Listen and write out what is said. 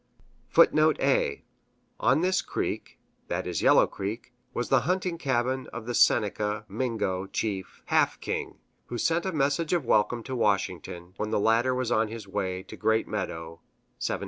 [Footnote A: On this creek was the hunting cabin of the Seneca (Mingo) chief, Half King, who sent a message of welcome to Washington, when the latter was on his way to Great Meadows (1754).